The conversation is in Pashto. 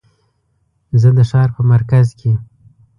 زه د ښار په مرکز کې